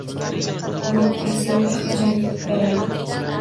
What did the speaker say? Bu posilka qachon yetib boradi?